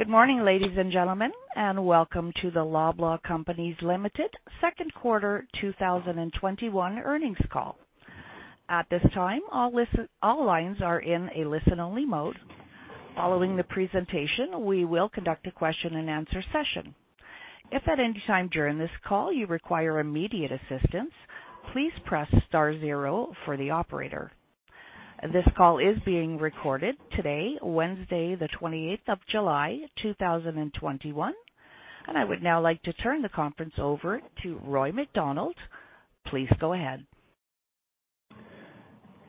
Good morning, ladies and gentlemen, and welcome to the Loblaw Companies Limited second quarter 2021 earnings call. At this time, all lines are in a listen-only mode. Following the presentation, we will conduct a question-and-answer session. If at any time during this call you require immediate assistance, please press star zero for the operator. This call is being recorded today, Wednesday, the 28th of July, 2021, and I would now like to turn the conference over to Roy MacDonald. Please go ahead.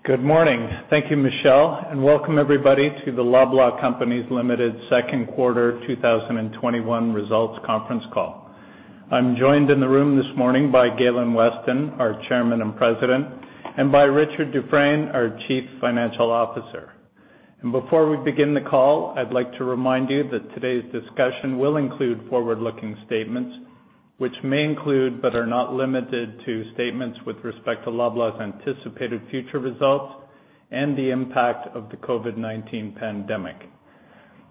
Good morning. Thank you, Michelle, and welcome everybody to the Loblaw Companies Limited second quarter 2021 results conference call. I'm joined in the room this morning by Galen Weston, our Chairman and President, and by Richard Dufresne, our Chief Financial Officer, and before we begin the call, I'd like to remind you that today's discussion will include forward-looking statements, which may include but are not limited to statements with respect to Loblaw's anticipated future results and the impact of the COVID-19 pandemic.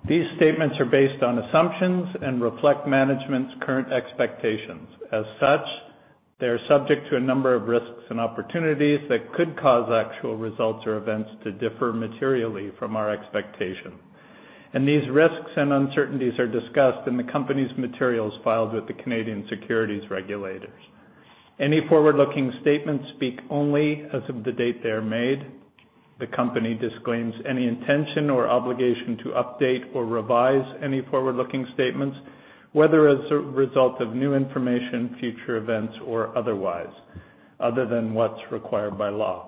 These statements are based on assumptions and reflect management's current expectations. As such, they are subject to a number of risks and opportunities that could cause actual results or events to differ materially from our expectation, and these risks and uncertainties are discussed in the company's materials filed with the Canadian securities regulators. Any forward-looking statements speak only as of the date they are made. The company disclaims any intention or obligation to update or revise any forward-looking statements, whether as a result of new information, future events, or otherwise, other than what's required by law.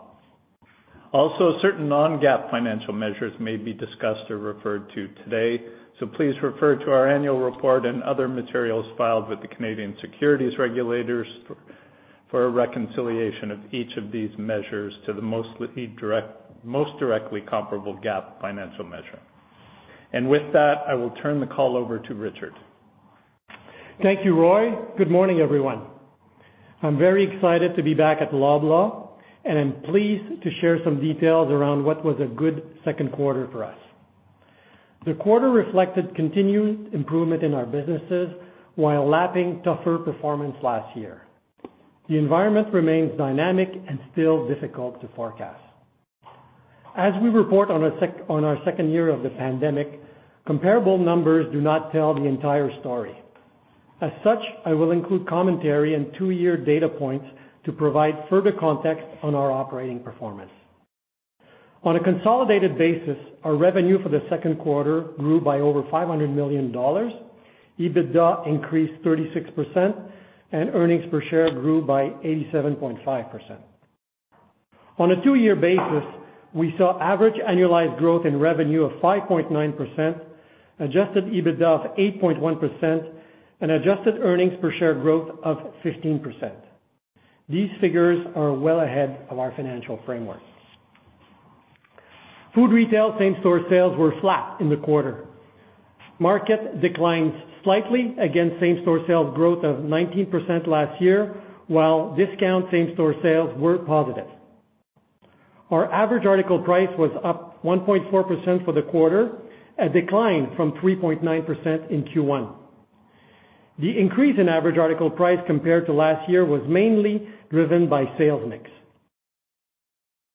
Also, certain non-GAAP financial measures may be discussed or referred to today, so please refer to our annual report and other materials filed with the Canadian securities regulators for a reconciliation of each of these measures to the most directly comparable GAAP financial measure. And with that, I will turn the call over to Richard. Thank you, Roy. Good morning, everyone. I'm very excited to be back at Loblaw, and I'm pleased to share some details around what was a good second quarter for us. The quarter reflected continued improvement in our businesses while lapping tougher performance last year. The environment remains dynamic and still difficult to forecast. As we report on our second year of the pandemic, comparable numbers do not tell the entire story. As such, I will include commentary and two-year data points to provide further context on our operating performance. On a consolidated basis, our revenue for the second quarter grew by over 500 million dollars. EBITDA increased 36%, and earnings per share grew by 87.5%. On a two-year basis, we saw average annualized growth in revenue of 5.9%, adjusted EBITDA of 8.1%, and adjusted earnings per share growth of 15%. These figures are well ahead of our financial framework. Food retail same-store sales were flat in the quarter. Market declined slightly against same-store sales growth of 19% last year, while discount same-store sales were positive. Our average article price was up 1.4% for the quarter, a decline from 3.9% in Q1. The increase in average article price compared to last year was mainly driven by sales mix.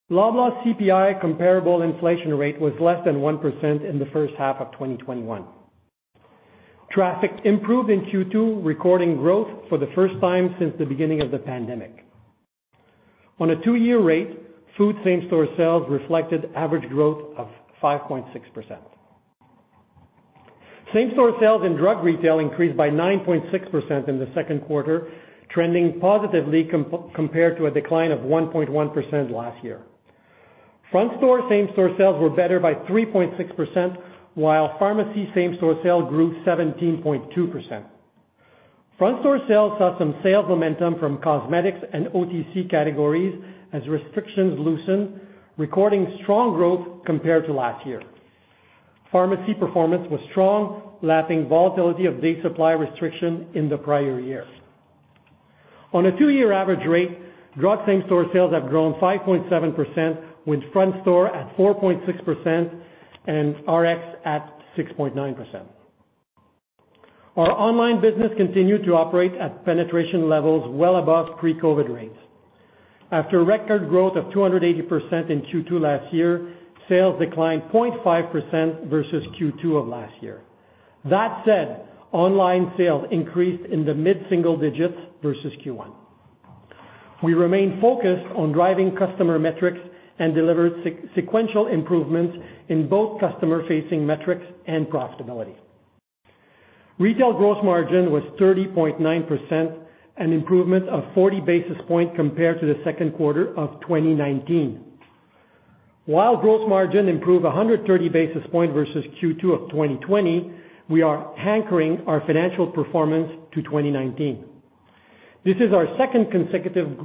Loblaw's CPI comparable inflation rate was less than 1% in the first half of 2021. Traffic improved in Q2, recording growth for the first time since the beginning of the pandemic. On a two-year rate, food same-store sales reflected average growth of 5.6%. Same-store sales in drug retail increased by 9.6% in the second quarter, trending positively compared to a decline of 1.1% last year. Front-store same-store sales were better by 3.6%, while pharmacy same-store sales grew 17.2%. Front-store sales saw some sales momentum from cosmetics and OTC categories as restrictions loosened, recording strong growth compared to last year. Pharmacy performance was strong, lapping volatility of day supply restriction in the prior year. On a two-year average rate, drug same-store sales have grown 5.7%, with front-store at 4.6% and Rx at 6.9%. Our online business continued to operate at penetration levels well above pre-COVID rates. After record growth of 280% in Q2 last year, sales declined 0.5% versus Q2 of last year. That said, online sales increased in the mid-single digits versus Q1. We remain focused on driving customer metrics and delivered sequential improvements in both customer-facing metrics and profitability. Retail gross margin was 30.9%, an improvement of 40 basis points compared to the second quarter of 2019. While gross margin improved 130 basis points versus Q2 of 2020, we are anchoring our financial performance to 2019. This is our second consecutive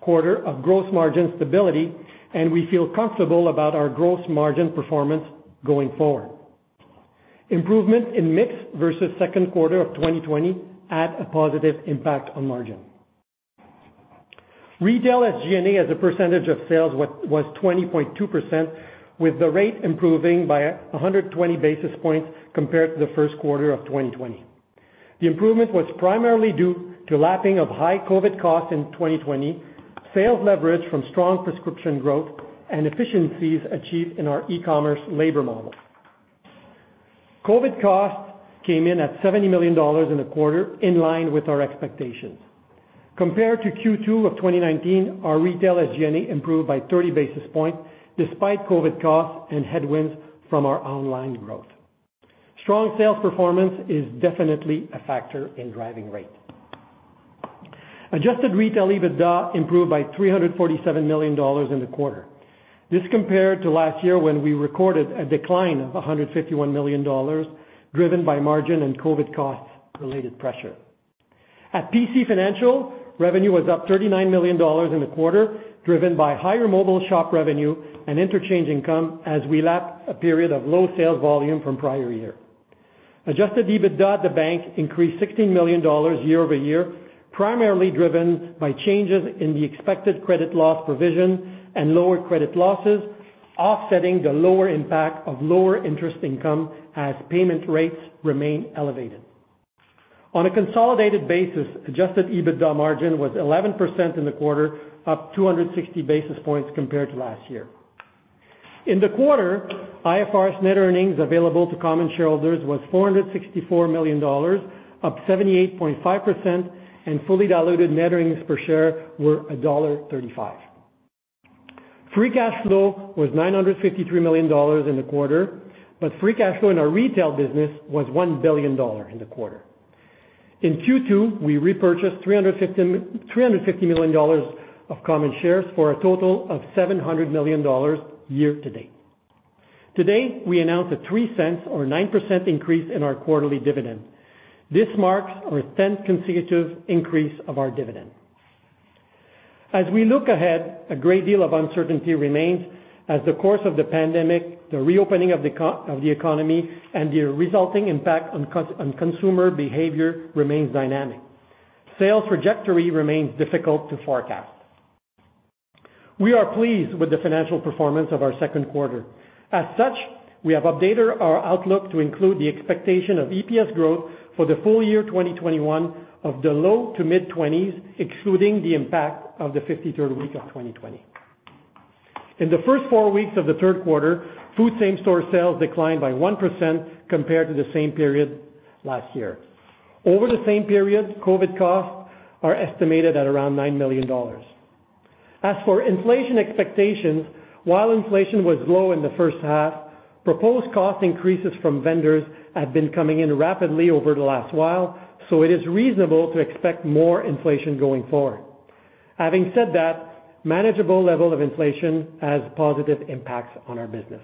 quarter of gross margin stability, and we feel comfortable about our gross margin performance going forward. Improvement in mix versus second quarter of 2020 had a positive impact on margin. Retail SG&A, as a percentage of sales, was 20.2%, with the rate improving by 120 basis points compared to the first quarter of 2020. The improvement was primarily due to lapping of high COVID costs in 2020, sales leverage from strong prescription growth, and efficiencies achieved in our e-commerce labor model. COVID costs came in at 70 million dollars in the quarter, in line with our expectations. Compared to Q2 of 2019, our Retail SG&A improved by 30 basis points despite COVID costs and headwinds from our online growth. Strong sales performance is definitely a factor in driving rate. Adjusted retail EBITDA improved by 347 million dollars in the quarter. This compared to last year when we recorded a decline of $151 million, driven by margin and COVID costs-related pressure. At PC Financial, revenue was up $39 million in the quarter, driven by higher Mobile Shop revenue and interchange income as we lapped a period of low sales volume from prior year. Adjusted EBITDA at the bank increased $16 million year-over-year, primarily driven by changes in the expected credit loss provision and lower credit losses, offsetting the lower impact of lower interest income as payment rates remain elevated. On a consolidated basis, adjusted EBITDA margin was 11% in the quarter, up 260 basis points compared to last year. In the quarter, IFRS net earnings available to common shareholders was $464 million, up 78.5%, and fully diluted net earnings per share were $1.35. Free cash flow was 953 million dollars in the quarter, but free cash flow in our retail business was 1 billion dollar in the quarter. In Q2, we repurchased 350 million dollars of common shares for a total of 700 million dollars year-to-date. Today, we announced a 0.03 or 9% increase in our quarterly dividend. This marks our 10th consecutive increase of our dividend. As we look ahead, a great deal of uncertainty remains as the course of the pandemic, the reopening of the economy, and the resulting impact on consumer behavior remains dynamic. Sales trajectory remains difficult to forecast. We are pleased with the financial performance of our second quarter. As such, we have updated our outlook to include the expectation of EPS growth for the full year 2021 of the low- to mid-20s, excluding the impact of the 53rd week of 2020. In the first four weeks of the third quarter, food same-store sales declined by 1% compared to the same period last year. Over the same period, COVID costs are estimated at around 9 million dollars. As for inflation expectations, while inflation was low in the first half, proposed cost increases from vendors have been coming in rapidly over the last while, so it is reasonable to expect more inflation going forward. Having said that, manageable level of inflation has positive impacts on our business.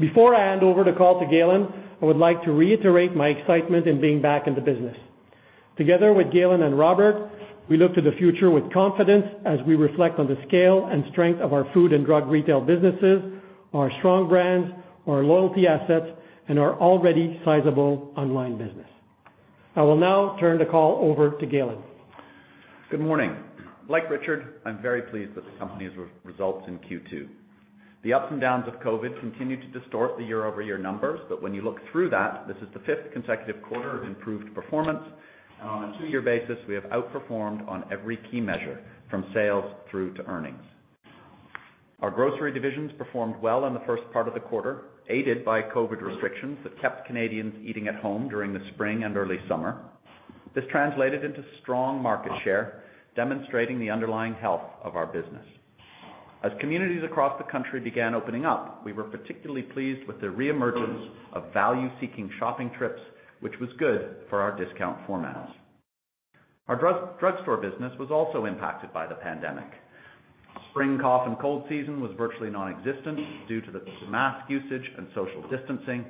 Before I hand over the call to Galen, I would like to reiterate my excitement in being back in the business. Together with Galen and Robert, we look to the future with confidence as we reflect on the scale and strength of our food and drug retail businesses, our strong brands, our loyalty assets, and our already sizable online business. I will now turn the call over to Galen. Good morning. Like Richard, I'm very pleased with the company's results in Q2. The ups and downs of COVID continue to distort the year-over-year numbers, but when you look through that, this is the fifth consecutive quarter of improved performance, and on a two-year basis, we have outperformed on every key measure, from sales through to earnings. Our grocery divisions performed well in the first part of the quarter, aided by COVID restrictions that kept Canadians eating at home during the spring and early summer. This translated into strong market share, demonstrating the underlying health of our business. As communities across the country began opening up, we were particularly pleased with the reemergence of value-seeking shopping trips, which was good for our discount formats. Our drugstore business was also impacted by the pandemic. Spring cough and cold season was virtually nonexistent due to the mask usage and social distancing.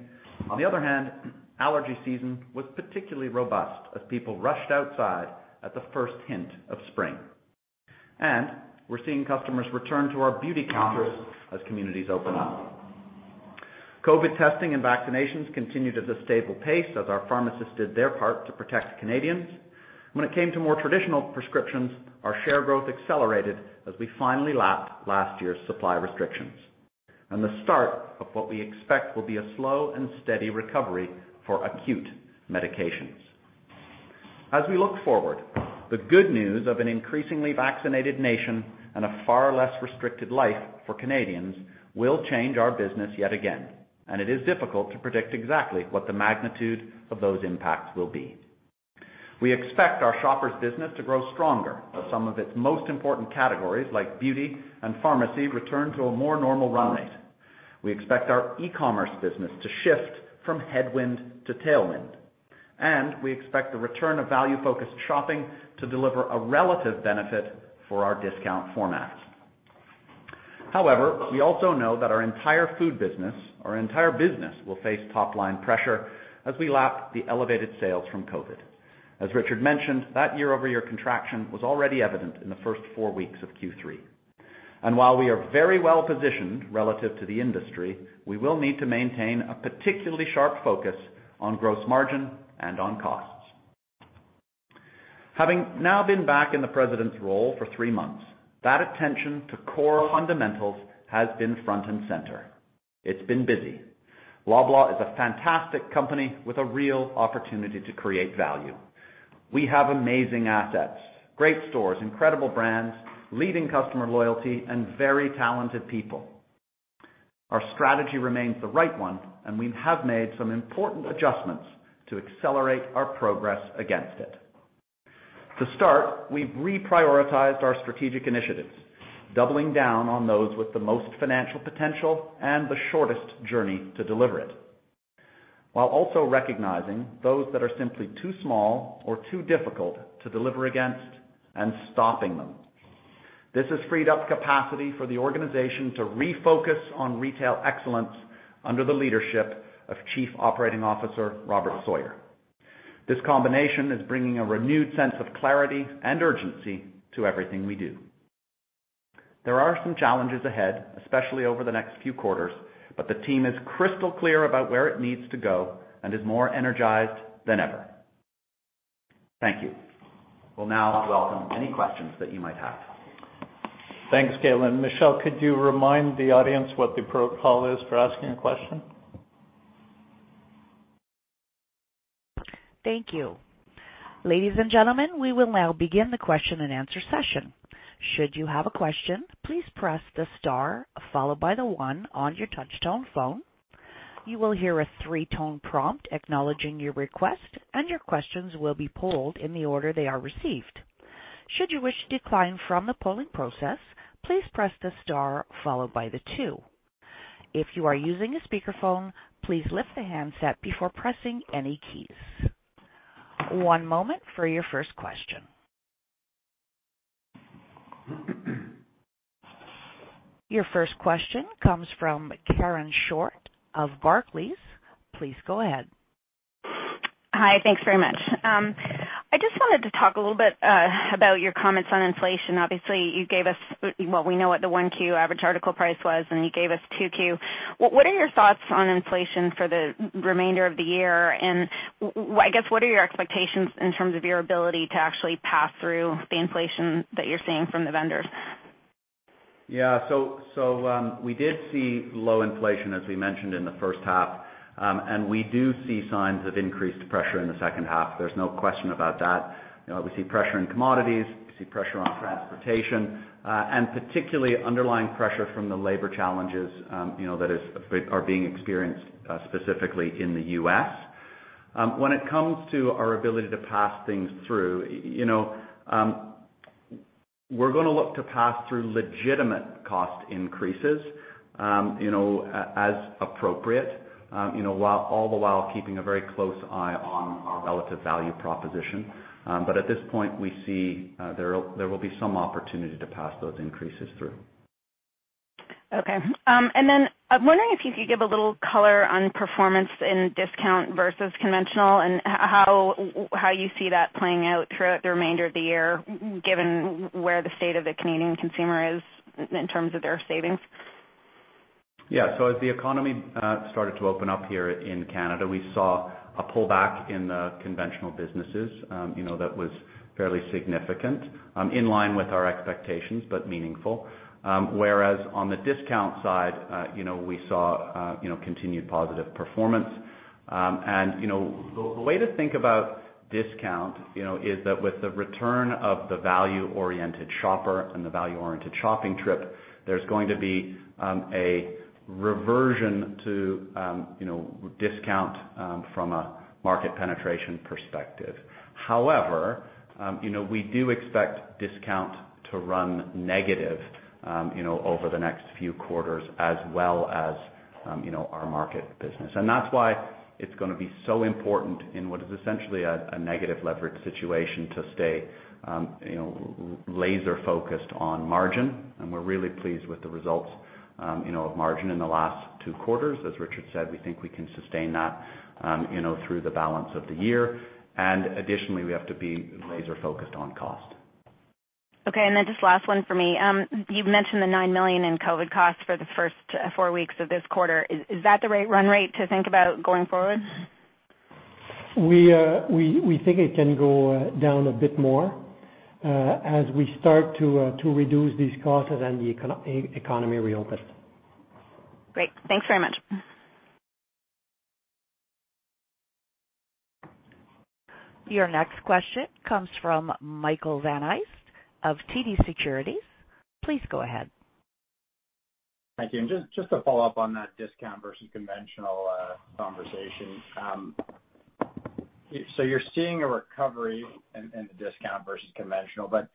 On the other hand, allergy season was particularly robust as people rushed outside at the first hint of spring. And we're seeing customers return to our beauty counters as communities open up. COVID testing and vaccinations continued at a stable pace as our pharmacists did their part to protect Canadians. When it came to more traditional prescriptions, our share growth accelerated as we finally lapped last year's supply restrictions. And the start of what we expect will be a slow and steady recovery for acute medications. As we look forward, the good news of an increasingly vaccinated nation and a far less restricted life for Canadians will change our business yet again, and it is difficult to predict exactly what the magnitude of those impacts will be. We expect our Shoppers' business to grow stronger as some of its most important categories like beauty and pharmacy return to a more normal run rate. We expect our e-commerce business to shift from headwind to tailwind, and we expect the return of value-focused shopping to deliver a relative benefit for our discount formats. However, we also know that our entire food business, our entire business, will face top-line pressure as we lap the elevated sales from COVID. As Richard mentioned, that year-over-year contraction was already evident in the first four weeks of Q3. And while we are very well positioned relative to the industry, we will need to maintain a particularly sharp focus on gross margin and on costs. Having now been back in the president's role for three months, that attention to core fundamentals has been front and center. It's been busy. Loblaw is a fantastic company with a real opportunity to create value. We have amazing assets, great stores, incredible brands, leading customer loyalty, and very talented people. Our strategy remains the right one, and we have made some important adjustments to accelerate our progress against it. To start, we've reprioritized our strategic initiatives, doubling down on those with the most financial potential and the shortest journey to deliver it, while also recognizing those that are simply too small or too difficult to deliver against and stopping them. This has freed up capacity for the organization to refocus on retail excellence under the leadership of Chief Operating Officer Robert Sawyer. This combination is bringing a renewed sense of clarity and urgency to everything we do. There are some challenges ahead, especially over the next few quarters, but the team is crystal clear about where it needs to go and is more energized than ever. Thank you. We'll now welcome any questions that you might have. Thanks, Galen. Michelle, could you remind the audience what the protocol is for asking a question? Thank you. Ladies and gentlemen, we will now begin the question-and-answer session. Should you have a question, please press the star followed by the one on your touch-tone phone. You will hear a three-tone prompt acknowledging your request, and your questions will be polled in the order they are received. Should you wish to decline from the polling process, please press the star followed by the two. If you are using a speakerphone, please lift the handset before pressing any keys. One moment for your first question. Your first question comes from Karen Short of Barclays. Please go ahead. Hi, thanks very much. I just wanted to talk a little bit about your comments on inflation. Obviously, you gave us what we know, the Q1 average article price was, and you gave us Q2. What are your thoughts on inflation for the remainder of the year? And I guess, what are your expectations in terms of your ability to actually pass through the inflation that you're seeing from the vendors? Yeah. So we did see low inflation, as we mentioned, in the first half, and we do see signs of increased pressure in the second half. There's no question about that. We see pressure in commodities, we see pressure on transportation, and particularly underlying pressure from the labor challenges that are being experienced specifically in the U.S. When it comes to our ability to pass things through, we're going to look to pass through legitimate cost increases as appropriate, all the while keeping a very close eye on our relative value proposition. But at this point, we see there will be some opportunity to pass those increases through. Okay. And then I'm wondering if you could give a little color on performance in discount versus conventional and how you see that playing out throughout the remainder of the year, given where the state of the Canadian consumer is in terms of their savings? Yeah, so as the economy started to open up here in Canada, we saw a pullback in the conventional businesses that was fairly significant, in line with our expectations, but meaningful. Whereas on the discount side, we saw continued positive performance, and the way to think about discount is that with the return of the value-oriented shopper and the value-oriented shopping trip, there's going to be a reversion to discount from a market penetration perspective. However, we do expect discount to run negative over the next few quarters as well as our Market business, and that's why it's going to be so important in what is essentially a negative leverage situation to stay laser-focused on margin. And we're really pleased with the results of margin in the last two quarters. As Richard said, we think we can sustain that through the balance of the year. Additionally, we have to be laser-focused on cost. Okay. And then just last one for me. You've mentioned the 9 million in COVID costs for the first four weeks of this quarter. Is that the right run rate to think about going forward? We think it can go down a bit more as we start to reduce these costs and the economy reopens. Great. Thanks very much. Your next question comes from Michael Van Aelst of TD Securities. Please go ahead. Thank you. And just to follow up on that discount versus conventional conversation, so you're seeing a recovery in the discount versus conventional, but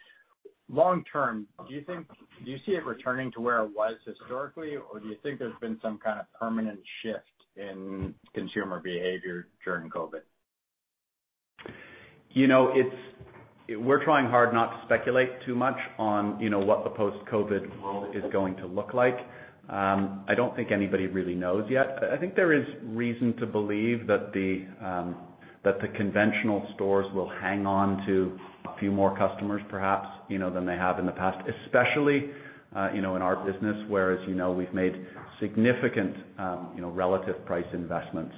long-term, do you see it returning to where it was historically, or do you think there's been some kind of permanent shift in consumer behavior during COVID? We're trying hard not to speculate too much on what the post-COVID world is going to look like. I don't think anybody really knows yet. I think there is reason to believe that the conventional stores will hang on to a few more customers perhaps than they have in the past, especially in our business, whereas we've made significant relative price investments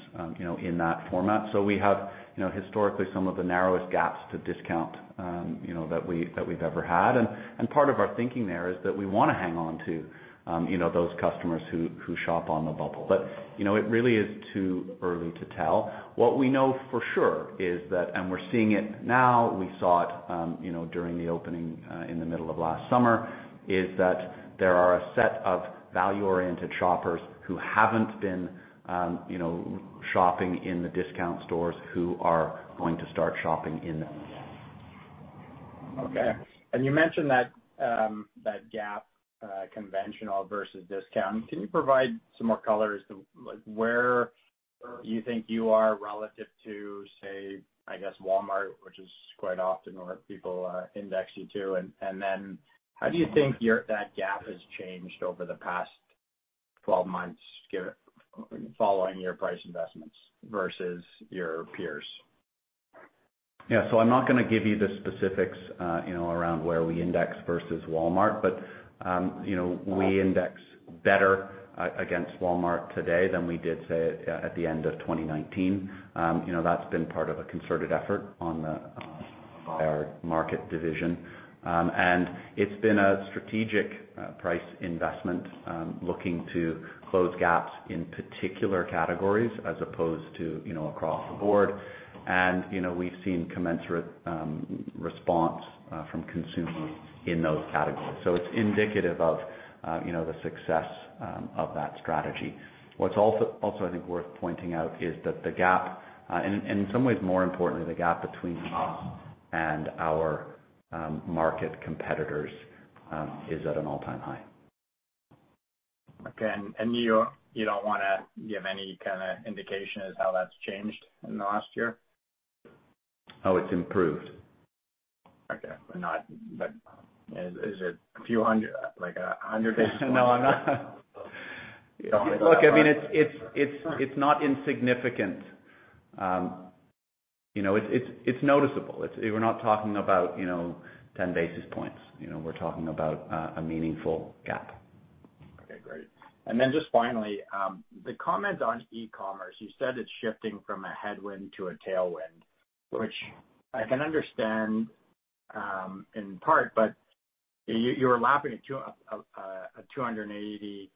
in that format. So we have historically some of the narrowest gaps to discount that we've ever had. And part of our thinking there is that we want to hang on to those customers who shop on the bubble. But it really is too early to tell. What we know for sure is that, and we're seeing it now, we saw it during the opening in the middle of last summer, is that there are a set of value-oriented Shoppers who haven't been shopping in the discount stores who are going to start shopping in them. Okay. And you mentioned that gap, conventional versus discount. Can you provide some more color as to where you think you are relative to, say, I guess, Walmart, which is quite often where people index you to? And then how do you think that gap has changed over the past 12 months following your price investments versus your peers? Yeah. So I'm not going to give you the specifics around where we index versus Walmart, but we index better against Walmart today than we did, say, at the end of 2019. That's been part of a concerted effort by our Market division. And it's been a strategic price investment looking to close gaps in particular categories as opposed to across the board. And we've seen commensurate response from consumers in those categories. So it's indicative of the success of that strategy. What's also, I think, worth pointing out is that the gap, and in some ways, more importantly, the gap between us and our market competitors is at an all-time high. Okay. And you don't want to give any kind of indication as to how that's changed in the last year? Oh, it's improved. Okay. But is it a few hundred, like a hundred basis points? No, I'm not. Look, I mean, it's not insignificant. It's noticeable. We're not talking about 10 basis points. We're talking about a meaningful gap. Okay. Great. And then just finally, the comment on e-commerce, you said it's shifting from a headwind to a tailwind, which I can understand in part, but you were lapping a 280%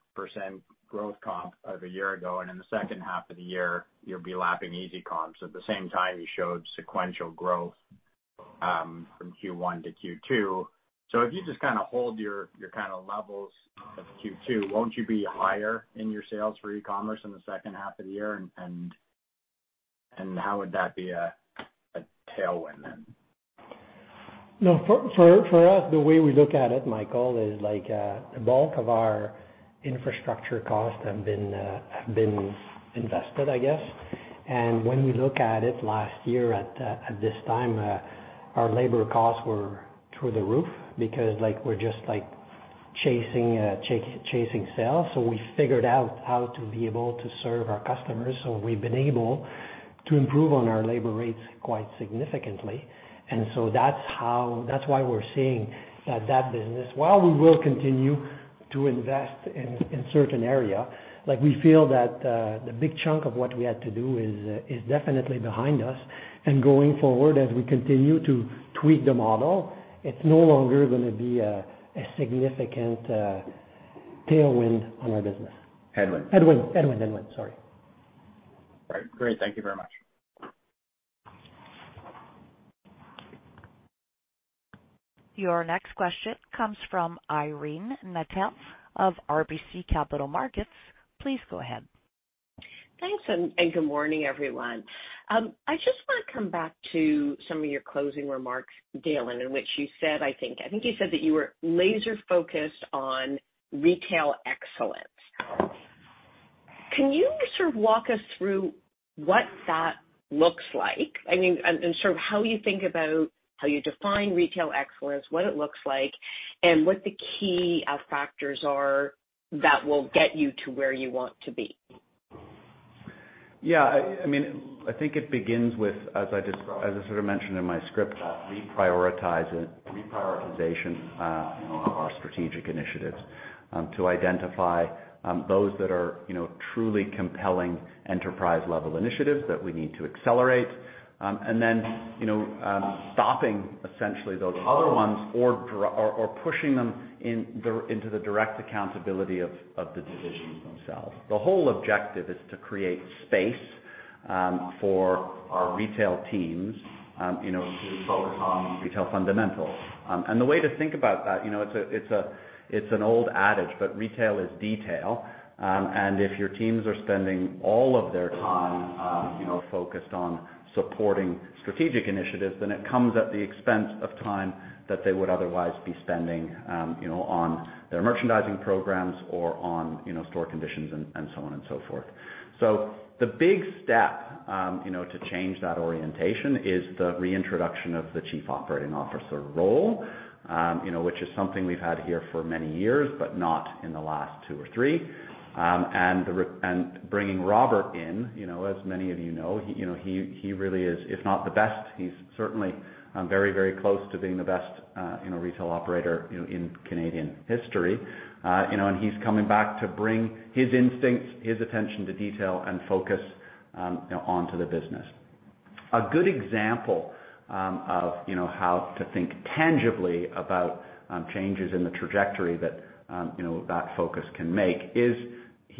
growth comp of a year ago, and in the second half of the year, you'll be lapping easy comps. At the same time, you showed sequential growth from Q1 to Q2. So if you just kind of hold your kind of levels of Q2, won't you be higher in your sales for e-commerce in the second half of the year? And how would that be a tailwind then? No, for us, the way we look at it, Michael, is like the bulk of our infrastructure costs have been invested, I guess. And when we look at it last year at this time, our labor costs were through the roof because we're just chasing sales. So we figured out how to be able to serve our customers. So we've been able to improve on our labor rates quite significantly. And so that's why we're seeing that that business, while we will continue to invest in certain areas, we feel that the big chunk of what we had to do is definitely behind us. And going forward, as we continue to tweak the model, it's no longer going to be a significant tailwind on our business. Headwind. Headwind. Headwind. Headwind. Sorry. All right. Great. Thank you very much. Your next question comes from Irene Nattel of RBC Capital Markets. Please go ahead. Thanks. And good morning, everyone. I just want to come back to some of your closing remarks, Galen, in which you said, I think you said that you were laser-focused on retail excellence. Can you sort of walk us through what that looks like? I mean, and sort of how you think about how you define retail excellence, what it looks like, and what the key factors are that will get you to where you want to be? Yeah. I mean, I think it begins with, as I sort of mentioned in my script, reprioritization of our strategic initiatives to identify those that are truly compelling enterprise-level initiatives that we need to accelerate, and then stopping essentially those other ones or pushing them into the direct accountability of the divisions themselves. The whole objective is to create space for our retail teams to focus on retail fundamentals. And the way to think about that, it's an old adage, but retail is detail. And if your teams are spending all of their time focused on supporting strategic initiatives, then it comes at the expense of time that they would otherwise be spending on their merchandising programs or on store conditions and so on and so forth. So the big step to change that orientation is the reintroduction of the Chief Operating Officer role, which is something we've had here for many years, but not in the last two or three. And bringing Robert in, as many of you know, he really is, if not the best, he's certainly very, very close to being the best retail operator in Canadian history. And he's coming back to bring his instincts, his attention to detail, and focus onto the business. A good example of how to think tangibly about changes in the trajectory that that focus can make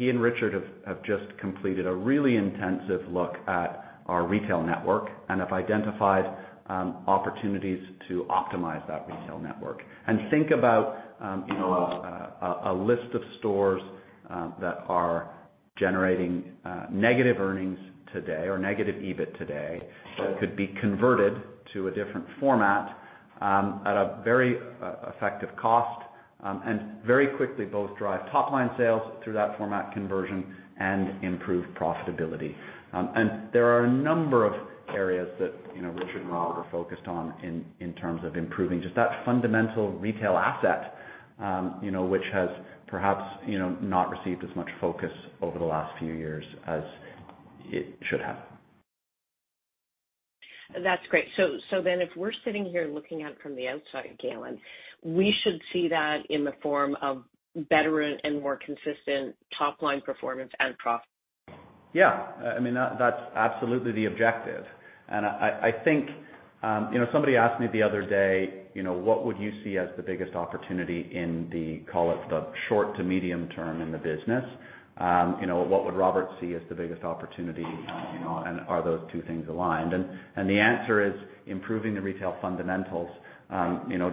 is he and Richard have just completed a really intensive look at our retail network and have identified opportunities to optimize that retail network. Think about a list of stores that are generating negative earnings today or negative EBIT today that could be converted to a different format at a very effective cost and very quickly both drive top-line sales through that format conversion and improve profitability. There are a number of areas that Richard and Robert are focused on in terms of improving just that fundamental retail asset, which has perhaps not received as much focus over the last few years as it should have. That's great. So then if we're sitting here looking at it from the outside, Galen, we should see that in the form of better and more consistent top-line performance and profitability. Yeah. I mean, that's absolutely the objective. And I think somebody asked me the other day, "What would you see as the biggest opportunity in the, call it, the short to medium term in the business? What would Robert see as the biggest opportunity? And are those two things aligned?" And the answer is improving the retail fundamentals,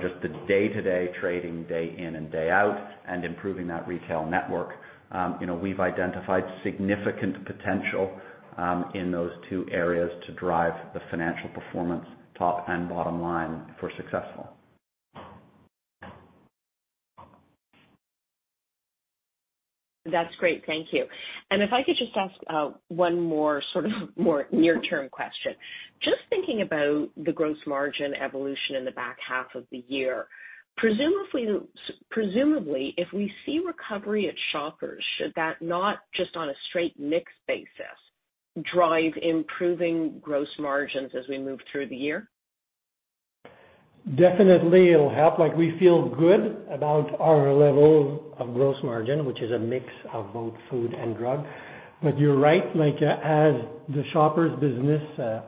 just the day-to-day trading day in and day out, and improving that retail network. We've identified significant potential in those two areas to drive the financial performance, top and bottom line, for successful. That's great. Thank you. And if I could just ask one more sort of more near-term question. Just thinking about the gross margin evolution in the back half of the year, presumably, if we see recovery at Shoppers, should that not just on a straight mix basis drive improving gross margins as we move through the year? Definitely, it'll help. We feel good about our level of gross margin, which is a mix of both food and drug. But you're right. As the Shoppers' business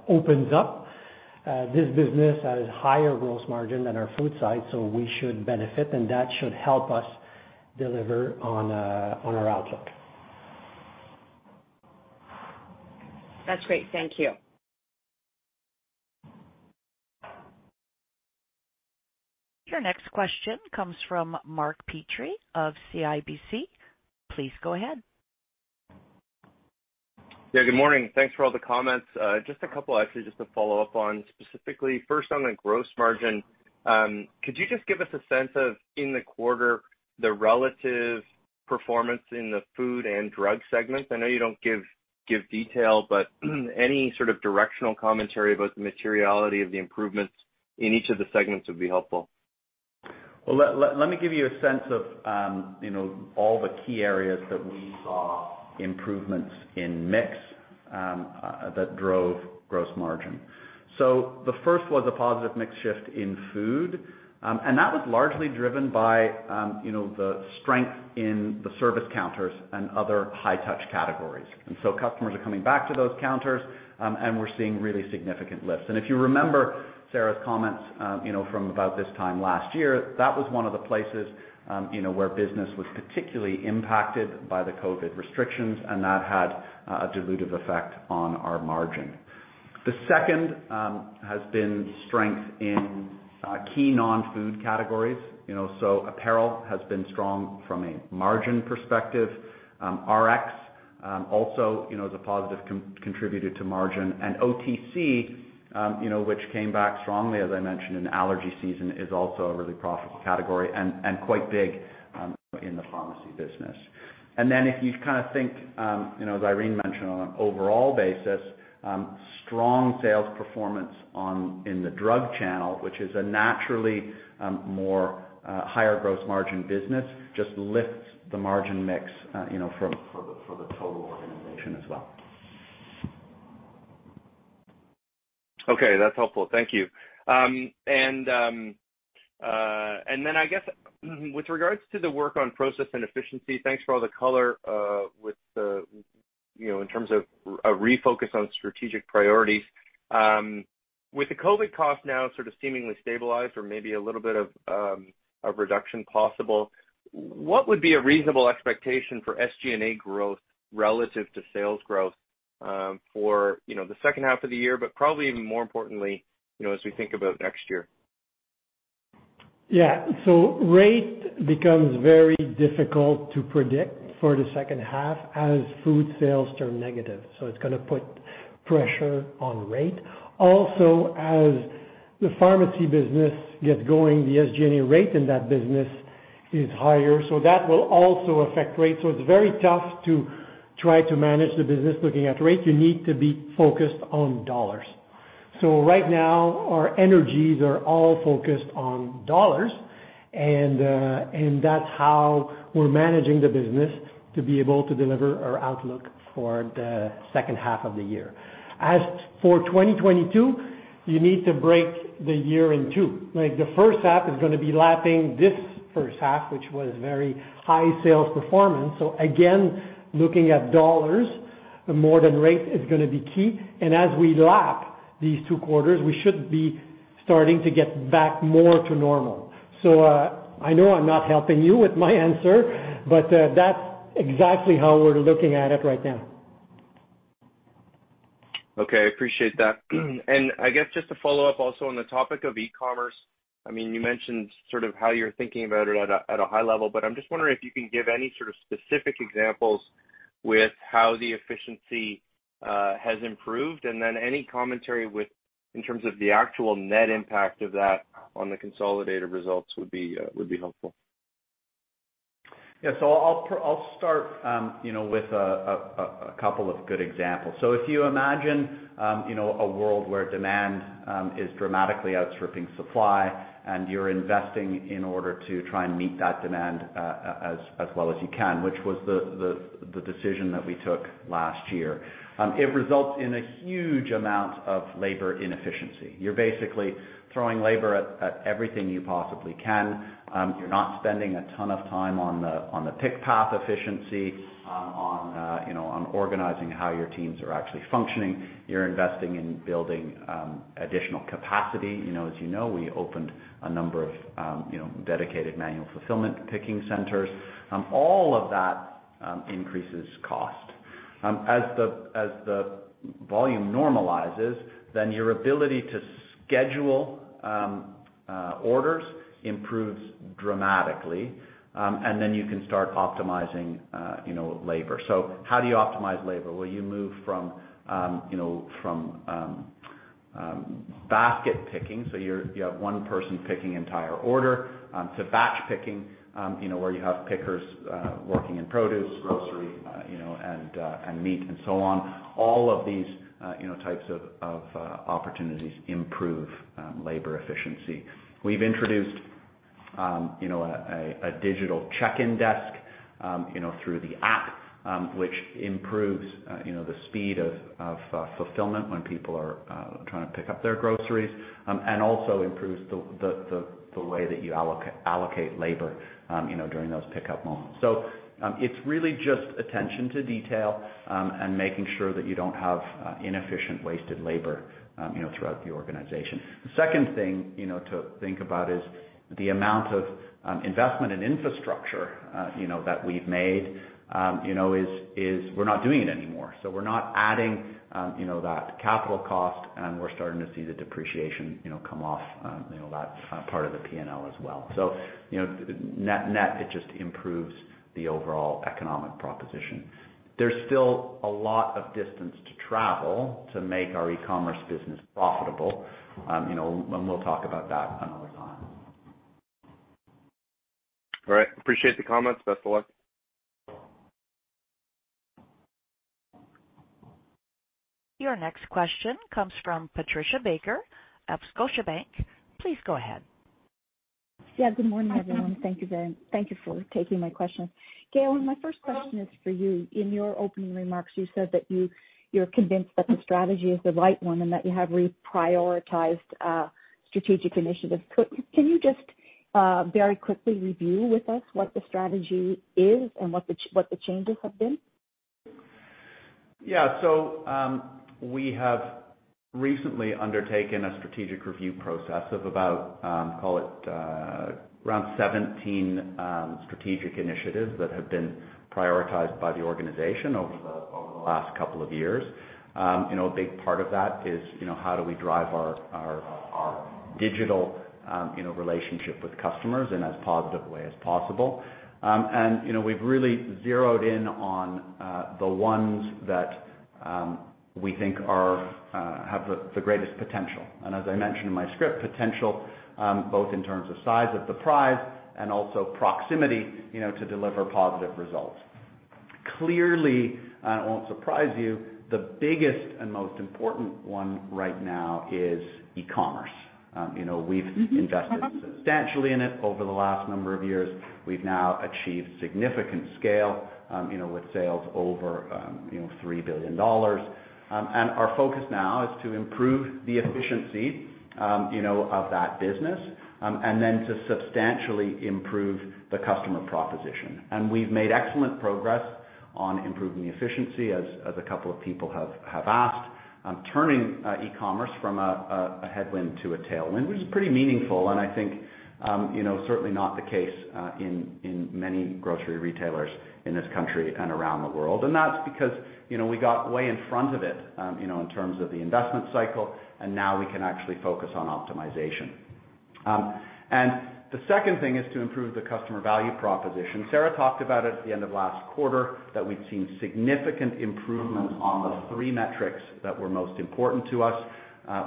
opens up, this business has higher gross margin than our food side, so we should benefit, and that should help us deliver on our outlook. That's great. Thank you. Your next question comes from Mark Petrie of CIBC. Please go ahead. Yeah. Good morning. Thanks for all the comments. Just a couple, actually, just to follow up on specifically. First, on the gross margin, could you just give us a sense of, in the quarter, the relative performance in the food and drug segments? I know you don't give detail, but any sort of directional commentary about the materiality of the improvements in each of the segments would be helpful. Let me give you a sense of all the key areas that we saw improvements in mix that drove gross margin. The first was a positive mix shift in food, and that was largely driven by the strength in the service counters and other high-touch categories. Customers are coming back to those counters, and we're seeing really significant lifts. If you remember Sarah's comments from about this time last year, that was one of the places where business was particularly impacted by the COVID restrictions, and that had a dilutive effect on our margin. The second has been strength in key non-food categories. Apparel has been strong from a margin perspective. Rx also has positively contributed to margin. OTC, which came back strongly, as I mentioned, in allergy season, is also a really profitable category and quite big in the pharmacy business. Then if you kind of think, as Irene mentioned, on an overall basis, strong sales performance in the drug channel, which is a naturally higher gross margin business, just lifts the margin mix for the total organization as well. Okay. That's helpful. Thank you. And then I guess with regards to the work on process and efficiency, thanks for all the color within terms of a refocus on strategic priorities. With the COVID costs now sort of seemingly stabilized or maybe a little bit of reduction possible, what would be a reasonable expectation for SG&A growth relative to sales growth for the second half of the year, but probably even more importantly as we think about next year? Yeah. So rate becomes very difficult to predict for the second half as food sales turn negative. So it's going to put pressure on rate. Also, as the pharmacy business gets going, the SG&A rate in that business is higher, so that will also affect rates. So it's very tough to try to manage the business looking at rate. You need to be focused on dollars. So right now, our energies are all focused on dollars, and that's how we're managing the business to be able to deliver our outlook for the second half of the year. As for 2022, you need to break the year in two. The first half is going to be lapping this first half, which was very high sales performance. So again, looking at dollars, more than rate is going to be key. And as we lap these two quarters, we should be starting to get back more to normal. So I know I'm not helping you with my answer, but that's exactly how we're looking at it right now. Okay. I appreciate that. And I guess just to follow up also on the topic of e-commerce, I mean, you mentioned sort of how you're thinking about it at a high level, but I'm just wondering if you can give any sort of specific examples with how the efficiency has improved, and then any commentary in terms of the actual net impact of that on the consolidated results would be helpful. Yeah. So I'll start with a couple of good examples. So if you imagine a world where demand is dramatically outstripping supply and you're investing in order to try and meet that demand as well as you can, which was the decision that we took last year, it results in a huge amount of labor inefficiency. You're basically throwing labor at everything you possibly can. You're not spending a ton of time on the pick path efficiency, on organizing how your teams are actually functioning. You're investing in building additional capacity. As you know, we opened a number of dedicated manual fulfillment picking centers. All of that increases cost. As the volume normalizes, then your ability to schedule orders improves dramatically, and then you can start optimizing labor. So how do you optimize labor? You move from basket picking, so you have one person picking entire order, to batch picking where you have pickers working in produce, grocery, and meat, and so on. All of these types of opportunities improve labor efficiency. We've introduced a digital check-in desk through the app, which improves the speed of fulfillment when people are trying to pick up their groceries and also improves the way that you allocate labor during those pickup moments. It's really just attention to detail and making sure that you don't have inefficient wasted labor throughout the organization. The second thing to think about is the amount of investment in infrastructure that we've made is we're not doing it anymore. We're not adding that capital cost, and we're starting to see the depreciation come off that part of the P&L as well. So net, net, it just improves the overall economic proposition. There's still a lot of distance to travel to make our e-commerce business profitable, and we'll talk about that another time. All right. Appreciate the comments. Best of luck. Your next question comes from Patricia Baker of Scotiabank. Please go ahead. Yeah. Good morning, everyone. Thank you for taking my question. Galen, my first question is for you. In your opening remarks, you said that you're convinced that the strategy is the right one and that you have reprioritized strategic initiatives. Can you just very quickly review with us what the strategy is and what the changes have been? Yeah. So we have recently undertaken a strategic review process of about, call it, around 17 strategic initiatives that have been prioritized by the organization over the last couple of years. A big part of that is how do we drive our digital relationship with customers in as positive a way as possible. And we've really zeroed in on the ones that we think have the greatest potential. And as I mentioned in my script, potential both in terms of size of the prize and also proximity to deliver positive results. Clearly, and I won't surprise you, the biggest and most important one right now is e-commerce. We've invested substantially in it over the last number of years. We've now achieved significant scale with sales over 3 billion dollars. And our focus now is to improve the efficiency of that business and then to substantially improve the customer proposition. And we've made excellent progress on improving the efficiency, as a couple of people have asked, turning e-commerce from a headwind to a tailwind, which is pretty meaningful. And I think certainly not the case in many grocery retailers in this country and around the world. And that's because we got way in front of it in terms of the investment cycle, and now we can actually focus on optimization. And the second thing is to improve the customer value proposition. Sarah talked about it at the end of last quarter, that we've seen significant improvements on the three metrics that were most important to us,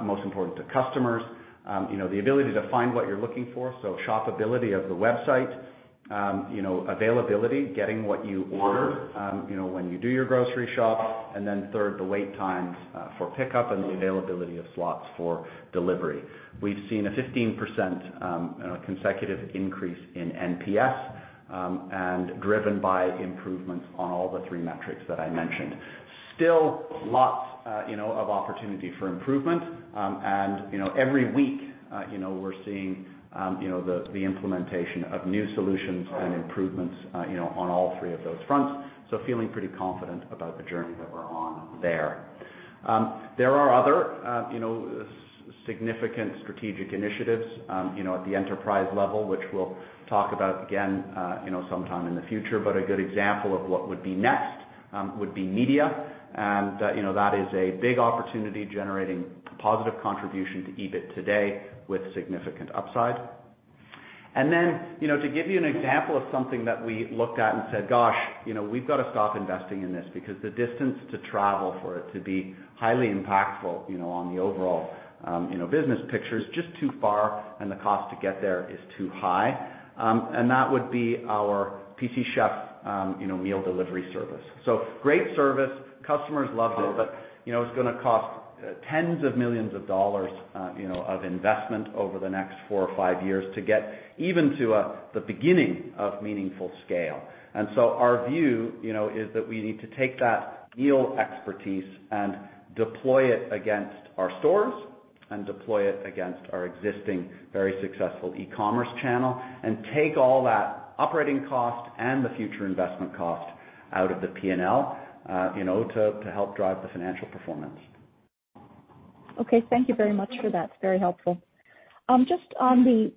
most important to customers: the ability to find what you're looking for, so shoppability of the website, availability, getting what you ordered when you do your grocery shop, and then third, the wait times for pickup and the availability of slots for delivery. We've seen a 15% consecutive increase in NPS, driven by improvements on all the three metrics that I mentioned. Still lots of opportunity for improvement, and every week, we're seeing the implementation of new solutions and improvements on all three of those fronts, so feeling pretty confident about the journey that we're on there. There are other significant strategic initiatives at the enterprise level, which we'll talk about again sometime in the future, but a good example of what would be next would be media, and that is a big opportunity generating positive contribution to EBIT today with significant upside. And then to give you an example of something that we looked at and said, "Gosh, we've got to stop investing in this because the distance to travel for it to be highly impactful on the overall business picture is just too far, and the cost to get there is too high." And that would be our PC Chef meal delivery service. So great service. Customers loved it, but it's going to cost tens of millions of dollars of investment over the next four or five years to get even to the beginning of meaningful scale. And so our view is that we need to take that meal expertise and deploy it against our stores and deploy it against our existing very successful e-commerce channel and take all that operating cost and the future investment cost out of the P&L to help drive the financial performance. Okay. Thank you very much for that. It's very helpful. Just on the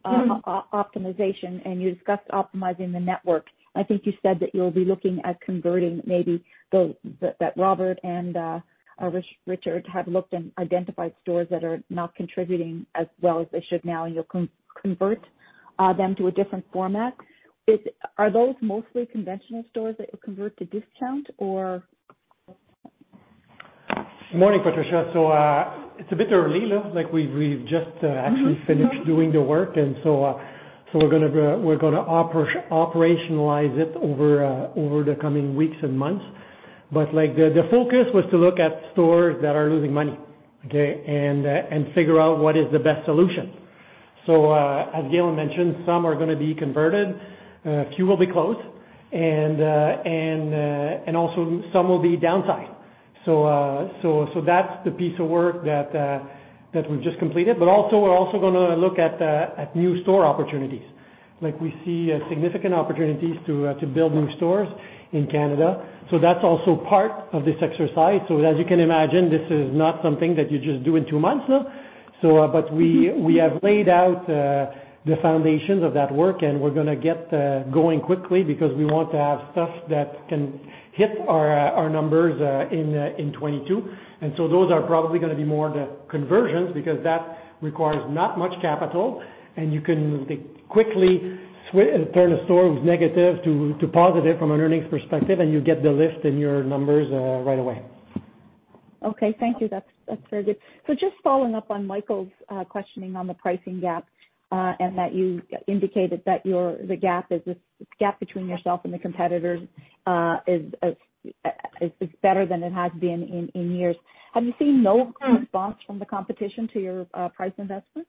optimization, and you discussed optimizing the network. I think you said that you'll be looking at converting maybe that Robert and Richard have looked and identified stores that are not contributing as well as they should now, and you'll convert them to a different format. Are those mostly conventional stores that you'll convert to discount, or? Good morning, Patricia. So it's a bit early. We've just actually finished doing the work, and so we're going to operationalize it over the coming weeks and months. But the focus was to look at stores that are losing money, okay, and figure out what is the best solution. So as Galen mentioned, some are going to be converted, a few will be closed, and also some will be downsized. So that's the piece of work that we've just completed. But also, we're going to look at new store opportunities. We see significant opportunities to build new stores in Canada. So that's also part of this exercise. So as you can imagine, this is not something that you just do in two months. But we have laid out the foundations of that work, and we're going to get going quickly because we want to have stuff that can hit our numbers in 2022. And so those are probably going to be more the conversions because that requires not much capital, and you can quickly turn a store with negative to positive from an earnings perspective, and you get the lift in your numbers right away. Okay. Thank you. That's very good. So just following up on Michael's questioning on the pricing gap and that you indicated that the gap between yourself and the competitors is better than it has been in years, have you seen no response from the competition to your price investment?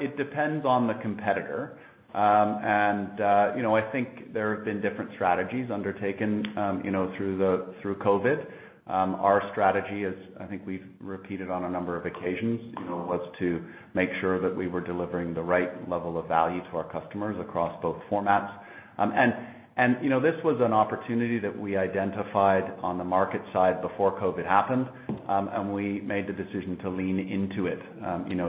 It depends on the competitor. I think there have been different strategies undertaken through COVID. Our strategy, as I think we've repeated on a number of occasions, was to make sure that we were delivering the right level of value to our customers across both formats. This was an opportunity that we identified on the market side before COVID happened, and we made the decision to lean into it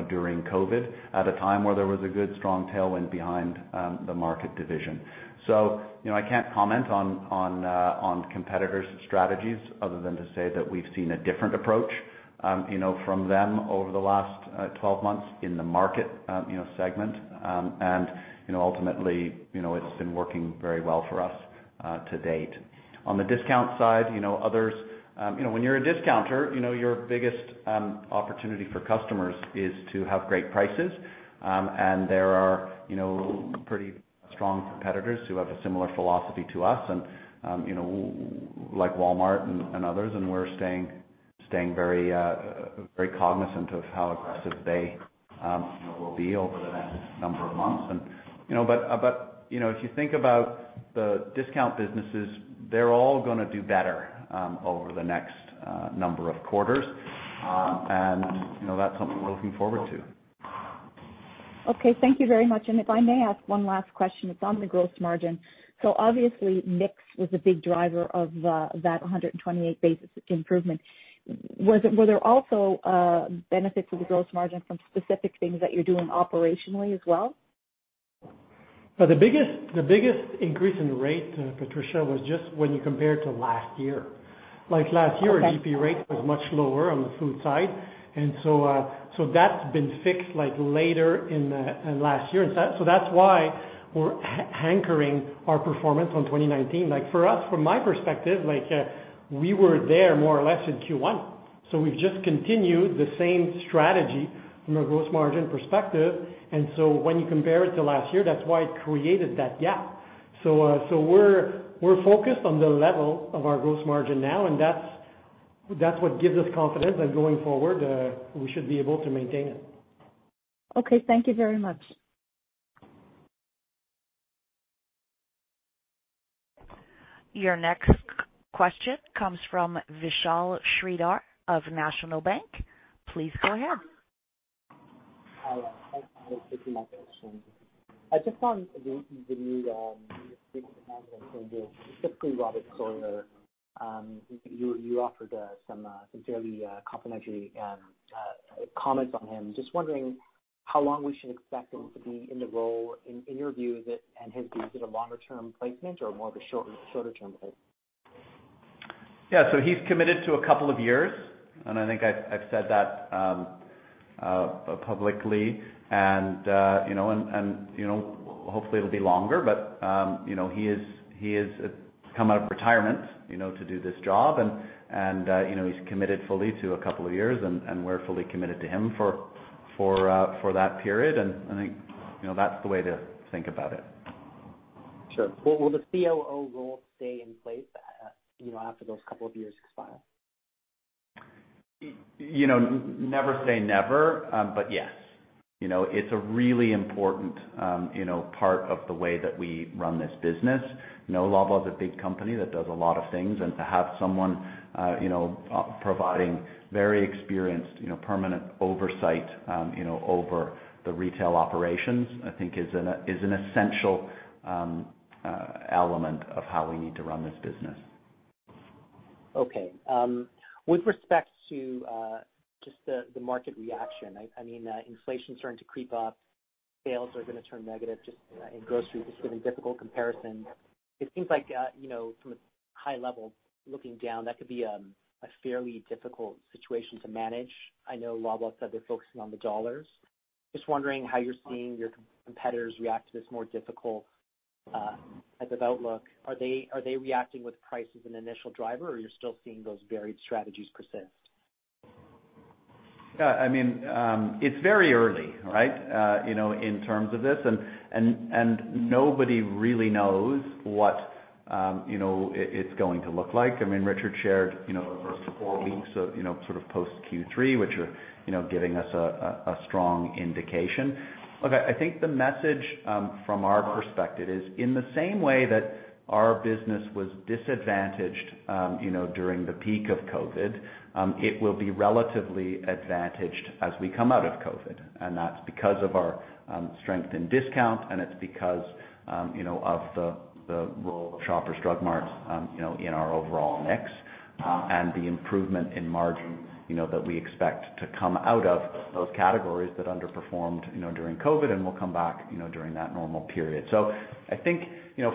during COVID at a time where there was a good strong tailwind behind the Market division. I can't comment on competitors' strategies other than to say that we've seen a different approach from them over the last 12 months in the market segment. Ultimately, it's been working very well for us to date. On the discount side, others, when you're a discounter, your biggest opportunity for customers is to have great prices. There are pretty strong competitors who have a similar philosophy to us, like Walmart and others, and we're staying very cognizant of how aggressive they will be over the next number of months. If you think about the discount businesses, they're all going to do better over the next number of quarters. That's something we're looking forward to. Okay. Thank you very much. If I may ask one last question, it's on the gross margin. So obviously, mix was a big driver of that 128 basis points improvement. Were there also benefits of the gross margin from specific things that you're doing operationally as well? The biggest increase in rate, Patricia, was just when you compare it to last year. Last year, GP rate was much lower on the food side. And so that's been fixed later in last year. So that's why we're anchoring our performance on 2019. For us, from my perspective, we were there more or less in Q1. So we've just continued the same strategy from a gross margin perspective. And so when you compare it to last year, that's why it created that gap. So we're focused on the level of our gross margin now, and that's what gives us confidence that going forward, we should be able to maintain it. Okay. Thank you very much. Your next question comes from Vishal Shreedhar of National Bank. Please go ahead. Hi. I was thinking about questions. I just found the new management changes, specifically Robert Sawyer. You offered some fairly complimentary comments on him. Just wondering how long we should expect him to be in the role. In your view and his view, is it a longer-term placement or more of a shorter-term place? Yeah. So he's committed to a couple of years, and I think I've said that publicly. And hopefully, it'll be longer, but he has come out of retirement to do this job, and he's committed fully to a couple of years, and we're fully committed to him for that period. And I think that's the way to think about it. Sure. Will the COO role stay in place after those couple of years expire? Never say never, but yes. It's a really important part of the way that we run this business. Loblaw is a big company that does a lot of things, and to have someone providing very experienced permanent oversight over the retail operations, I think, is an essential element of how we need to run this business. Okay. With respect to just the market reaction, I mean, inflation's starting to creep up. Sales are going to turn negative in groceries, just giving difficult comparisons. It seems like from a high level, looking down, that could be a fairly difficult situation to manage. I know Loblaw said they're focusing on the dollars. Just wondering how you're seeing your competitors react to this more difficult type of outlook. Are they reacting with prices as an initial driver, or are you still seeing those varied strategies persist? Yeah. I mean, it's very early, right, in terms of this. And nobody really knows what it's going to look like. I mean, Richard shared the first four weeks of sort of post Q3, which are giving us a strong indication. Look, I think the message from our perspective is, in the same way that our business was disadvantaged during the peak of COVID, it will be relatively advantaged as we come out of COVID. And that's because of our strength in discount, and it's because of the role of Shoppers Drug Mart in our overall mix and the improvement in margin that we expect to come out of those categories that underperformed during COVID and will come back during that normal period. So I think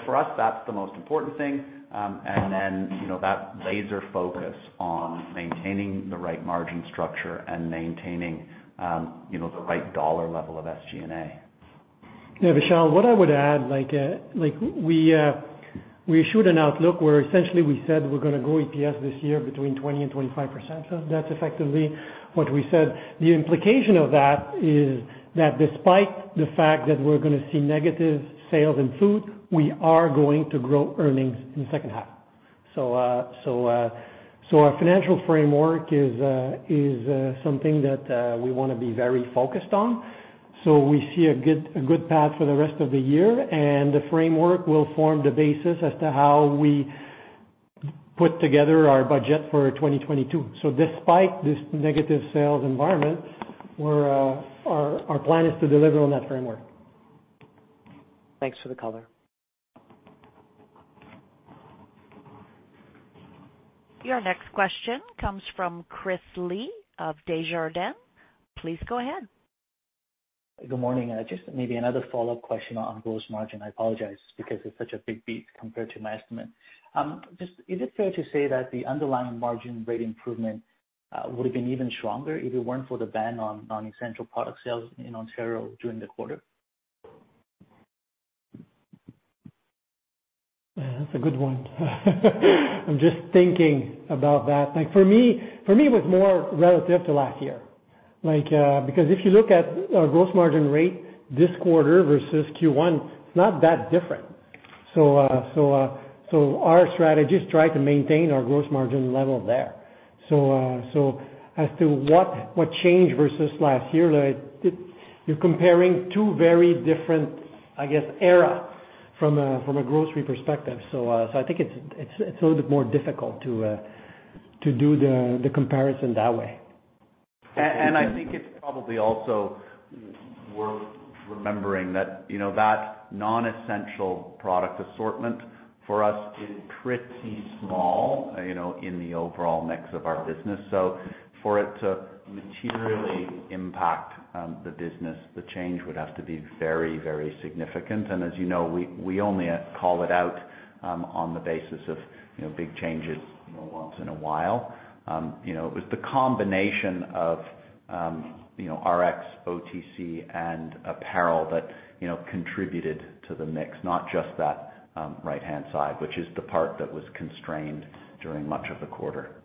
for us, that's the most important thing. That laser focus on maintaining the right margin structure and maintaining the right dollar level of SG&A. Yeah. Vishal, what I would add, we issued an outlook where essentially we said we're going to grow EPS this year between 20% and 25%. So that's effectively what we said. The implication of that is that despite the fact that we're going to see negative sales in food, we are going to grow earnings in the second half. So our financial framework is something that we want to be very focused on. So we see a good path for the rest of the year, and the framework will form the basis as to how we put together our budget for 2022. So despite this negative sales environment, our plan is to deliver on that framework. Thanks for the color. Your next question comes from Chris Li of Desjardins. Please go ahead. Good morning, Justin. Maybe another follow-up question on gross margin. I apologize because it's such a big beat compared to my estimate. Is it fair to say that the underlying margin rate improvement would have been even stronger if it weren't for the ban on essential product sales in Ontario during the quarter? That's a good one. I'm just thinking about that. For me, it was more relative to last year because if you look at our gross margin rate this quarter versus Q1, it's not that different. So our strategy is to try to maintain our gross margin level there. So as to what changed versus last year, you're comparing two very different, I guess, eras from a grocery perspective. So I think it's a little bit more difficult to do the comparison that way. I think it's probably also worth remembering that that non-essential product assortment for us is pretty small in the overall mix of our business. So for it to materially impact the business, the change would have to be very, very significant. And as you know, we only call it out on the basis of big changes once in a while. It was the combination of Rx, OTC, and apparel that contributed to the mix, not just that right-hand side, which is the part that was constrained during much of the quarter.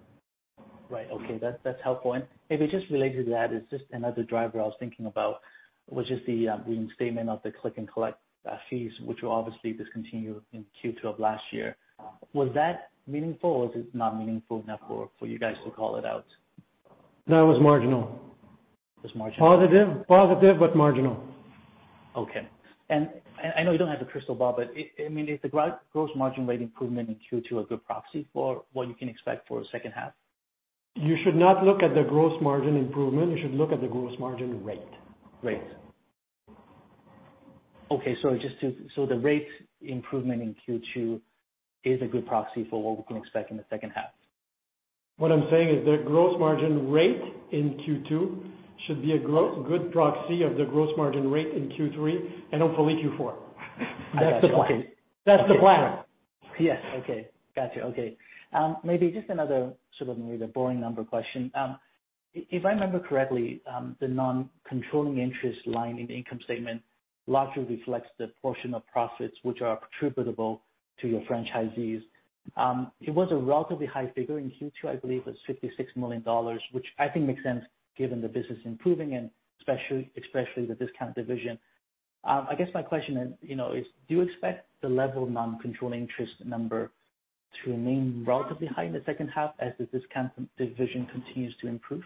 Right. Okay. That's helpful. And if it just relates to that, it's just another driver I was thinking about, which is the reinstatement of the Click-and-Collect fees, which were obviously discontinued in Q2 of last year. Was that meaningful, or was it not meaningful enough for you guys to call it out? That was marginal. It was marginal? Positive, positive, but marginal. Okay. And I know you don't have the crystal ball, but I mean, is the gross margin rate improvement in Q2 a good proxy for what you can expect for the second half? You should not look at the gross margin improvement. You should look at the gross margin rate. Right. Okay. So the rate improvement in Q2 is a good proxy for what we can expect in the second half? What I'm saying is the gross margin rate in Q2 should be a good proxy of the gross margin rate in Q3 and hopefully Q4. That's the plan. That's the plan. Yes. Okay. Gotcha. Okay. Maybe just another sort of maybe a boring number question. If I remember correctly, the non-controlling interest line in the income statement largely reflects the portion of profits which are attributable to your franchisees. It was a relatively high figure in Q2, I believe it was $56 million, which I think makes sense given the business improving and especially the discount division. I guess my question is, do you expect the level of non-controlling interest number to remain relatively high in the second half as the discount division continues to improve?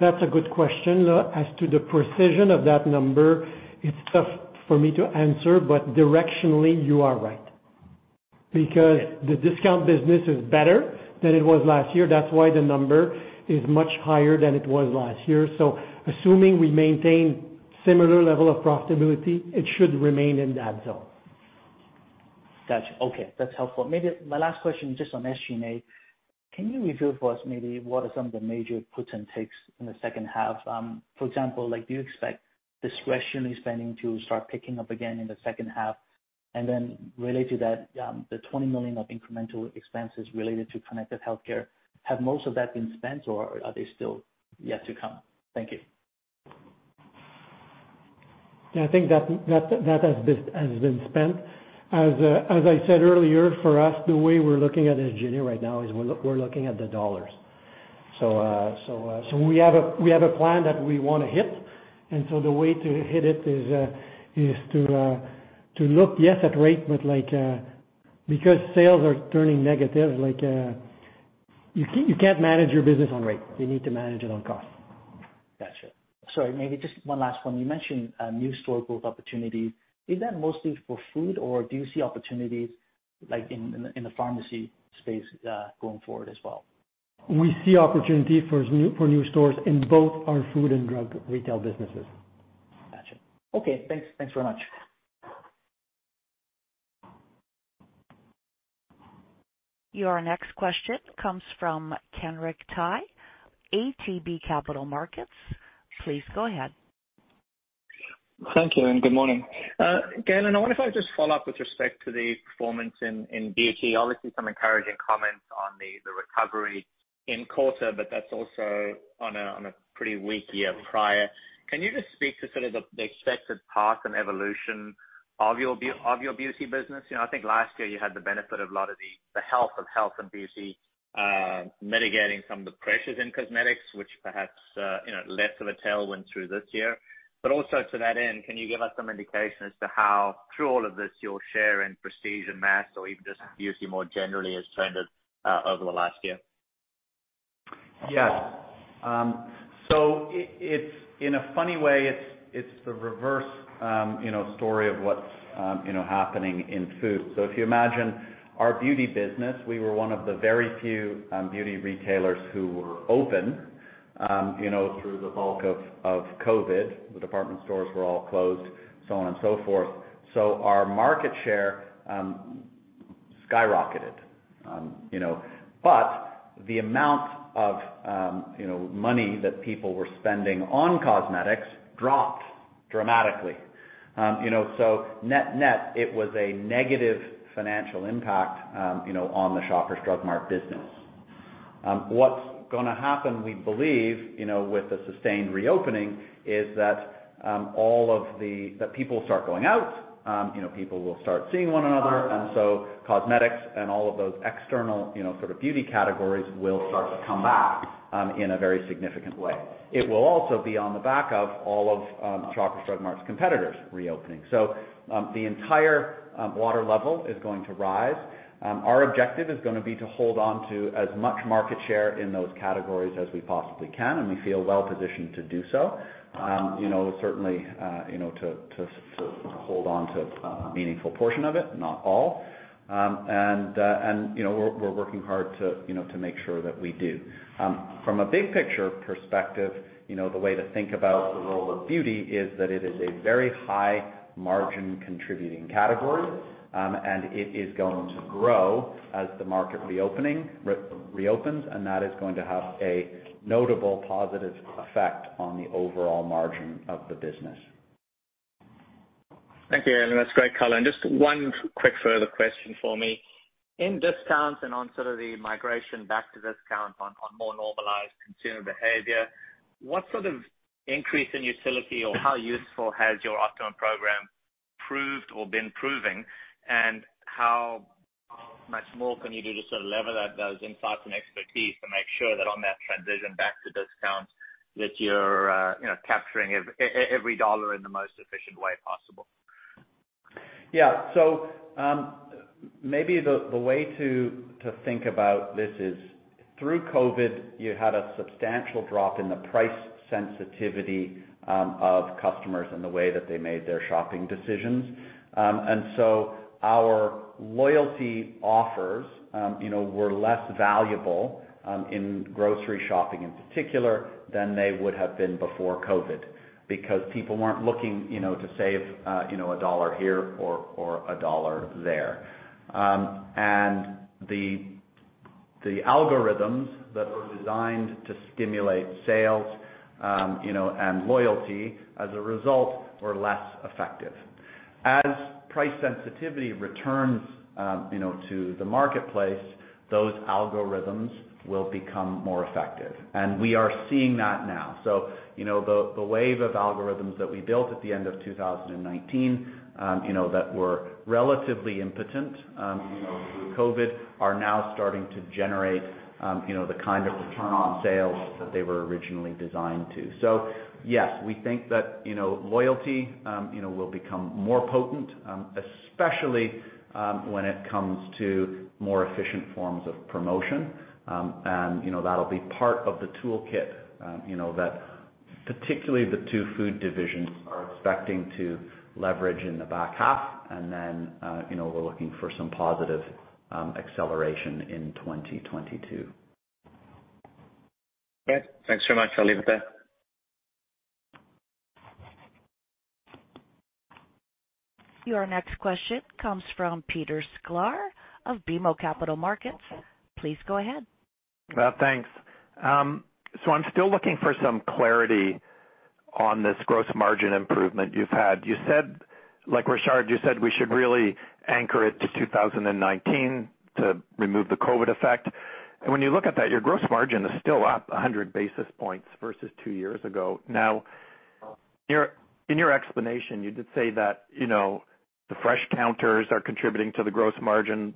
That's a good question. As to the precision of that number, it's tough for me to answer, but directionally, you are right because the discount business is better than it was last year. That's why the number is much higher than it was last year. So assuming we maintain similar level of profitability, it should remain in that zone. Gotcha. Okay. That's helpful. Maybe my last question just on SG&A. Can you review for us maybe what are some of the major puts and takes in the second half? For example, do you expect discretionary spending to start picking up again in the second half? And then related to that, the 20 million of incremental expenses related to Connected Healthcare, have most of that been spent, or are they still yet to come? Thank you. Yeah. I think that has been spent. As I said earlier, for us, the way we're looking at SG&A right now is we're looking at the dollars, so we have a plan that we want to hit, and so the way to hit it is to look, yes, at rate, but because sales are turning negative, you can't manage your business on rate. You need to manage it on cost. Gotcha. Sorry. Maybe just one last one. You mentioned new store growth opportunities. Is that mostly for food, or do you see opportunities in the pharmacy space going forward as well? We see opportunity for new stores in both our food and drug retail businesses. Gotcha. Okay. Thanks. Thanks very much. Your next question comes from Kenric Tyghe, ATB Capital Markets. Please go ahead. Thank you and good morning. Galen, I wonder if I would just follow up with respect to the performance in beauty. Obviously, some encouraging comments on the recovery in the quarter, but that's also on a pretty weak year prior. Can you just speak to sort of the expected path and evolution of your beauty business? I think last year you had the benefit of a lot of the health and beauty mitigating some of the pressures in cosmetics, which perhaps less of a tailwind went through this year. But also to that end, can you give us some indication as to how, through all of this, your share in prestige and mass, or even just beauty more generally, has trended over the last year? Yes. So in a funny way, it's the reverse story of what's happening in food. So if you imagine our beauty business, we were one of the very few beauty retailers who were open through the bulk of COVID. The department stores were all closed, so on and so forth. So our market share skyrocketed. But the amount of money that people were spending on cosmetics dropped dramatically. So net net, it was a negative financial impact on the Shoppers Drug Mart business. What's going to happen, we believe, with the sustained reopening is that all of the people start going out, people will start seeing one another, and so cosmetics and all of those external sort of beauty categories will start to come back in a very significant way. It will also be on the back of all of Shoppers Drug Mart's competitors reopening. The entire water level is going to rise. Our objective is going to be to hold on to as much market share in those categories as we possibly can, and we feel well-positioned to do so, certainly to hold on to a meaningful portion of it, not all, and we're working hard to make sure that we do. From a big picture perspective, the way to think about the role of beauty is that it is a very high margin contributing category, and it is going to grow as the market reopens, and that is going to have a notable positive effect on the overall margin of the business. Thank you, Galen. That's great color. And just one quick further question for me. In discounts and on sort of the migration back to discount on more normalized consumer behavior, what sort of increase in utility or how useful has your upcoming program proved or been proving, and how much more can you do to sort of leverage that, those insights and expertise to make sure that on that transition back to discounts that you're capturing every dollar in the most efficient way possible? Yeah. So maybe the way to think about this is through COVID, you had a substantial drop in the price sensitivity of customers and the way that they made their shopping decisions. And so our loyalty offers were less valuable in grocery shopping in particular than they would have been before COVID because people weren't looking to save a dollar here or a dollar there. And the algorithms that were designed to stimulate sales and loyalty as a result were less effective. As price sensitivity returns to the marketplace, those algorithms will become more effective. And we are seeing that now. So the wave of algorithms that we built at the end of 2019 that were relatively impotent through COVID are now starting to generate the kind of return on sales that they were originally designed to. So yes, we think that loyalty will become more potent, especially when it comes to more efficient forms of promotion. And that'll be part of the toolkit that particularly the two food divisions are expecting to leverage in the back half. And then we're looking for some positive acceleration in 2022. Thanks very much. I'll leave it there. Your next question comes from Peter Sklar of BMO Capital Markets. Please go ahead. Thanks. So I'm still looking for some clarity on this gross margin improvement you've had. Like Richard, you said we should really anchor it to 2019 to remove the COVID effect, and when you look at that, your gross margin is still up 100 basis points versus two years ago. Now, in your explanation, you did say that the fresh counters are contributing to the gross margin,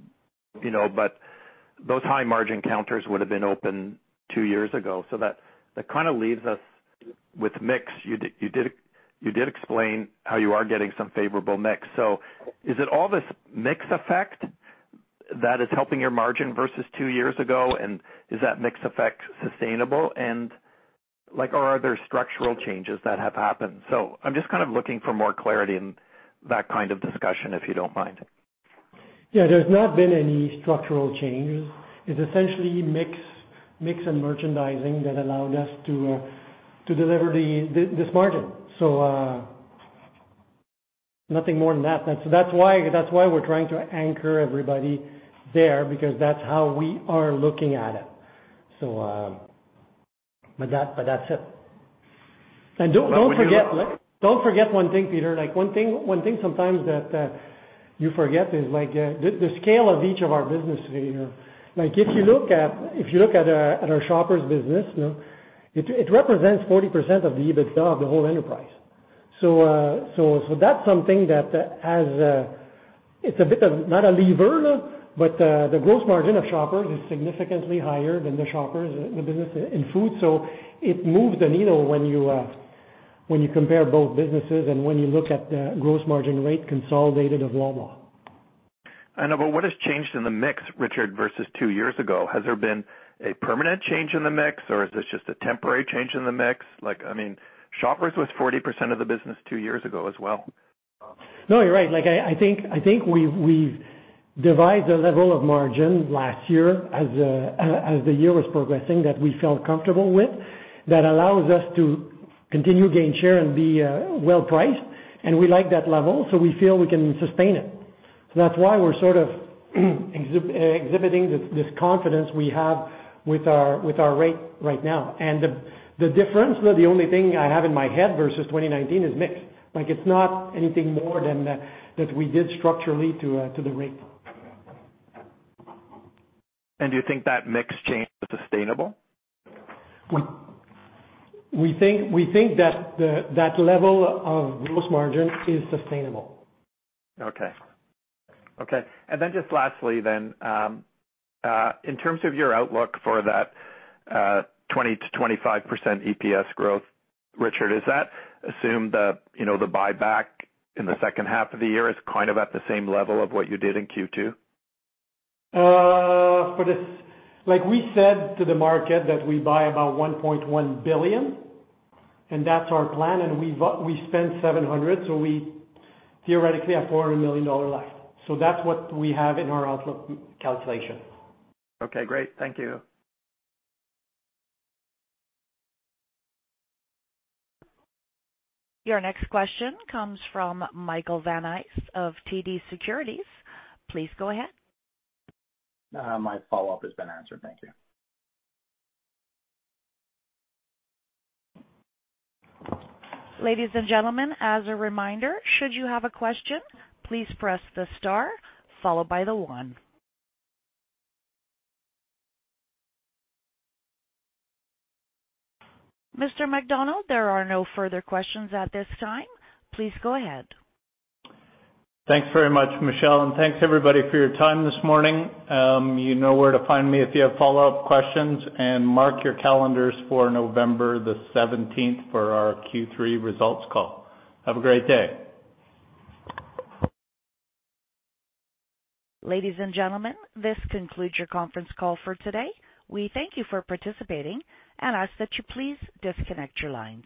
but those high margin counters would have been open two years ago. So that kind of leaves us with mix. You did explain how you are getting some favorable mix. So is it all this mixed effect that is helping your margin versus two years ago, and is that mixed effect sustainable, or are there structural changes that have happened? So I'm just kind of looking for more clarity in that kind of discussion, if you don't mind. Yeah. There's not been any structural changes. It's essentially mix and merchandising that allowed us to deliver this margin. So nothing more than that. That's why we're trying to anchor everybody there because that's how we are looking at it. But that's it. And don't forget one thing, Peter. One thing sometimes that you forget is the scale of each of our businesses. If you look at our Shoppers' business, it represents 40% of the EBITDA of the whole enterprise. So that's something that has. It's a bit of not a lever, but the gross margin of Shoppers is significantly higher than the Shoppers' business in food. So it moves the needle when you compare both businesses and when you look at the gross margin rate consolidated of Loblaw. I know, but what has changed in the mix, Richard, versus two years ago? Has there been a permanent change in the mix, or is this just a temporary change in the mix? I mean, Shoppers was 40% of the business two years ago as well. No, you're right. I think we've devised a level of margin last year as the year was progressing that we felt comfortable with that allows us to continue to gain share and be well-priced. And we like that level, so we feel we can sustain it. So that's why we're sort of exhibiting this confidence we have with our rate right now. And the difference, the only thing I have in my head versus 2019 is mix. It's not anything more than that we did structurally to the rate. Do you think that mix change is sustainable? We think that that level of gross margin is sustainable. Okay. And then just lastly, in terms of your outlook for that 20%-25% EPS growth, Richard, is that assumed the buyback in the second half of the year is kind of at the same level of what you did in Q2? Like we said to the market that we buy about $1.1 billion, and that's our plan. And we spend $700, so we theoretically have $400 million left. So that's what we have in our outlook calculation. Okay. Great. Thank you. Your next question comes from Michael Van Aelst of TD Securities. Please go ahead. My follow-up has been answered. Thank you. Ladies and gentlemen, as a reminder, should you have a question, please press the star followed by the one. Mr. MacDonald, there are no further questions at this time. Please go ahead. Thanks very much, Michelle, and thanks, everybody, for your time this morning. You know where to find me if you have follow-up questions, and mark your calendars for November the 17th for our Q3 results call. Have a great day. Ladies and gentlemen, this concludes your conference call for today. We thank you for participating and ask that you please disconnect your lines.